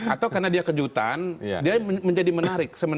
atau karena dia kejutan dia menjadi menarik